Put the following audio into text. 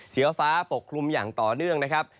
เสียฟ้าปกคลุมอย่างต่อเนื่อง